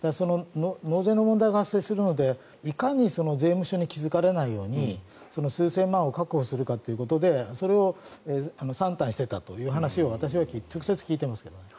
納税の問題があるのでいかに税務署に気付かれないように数千万を確保するかということでそれを算段していたという話を私は直接聞いています。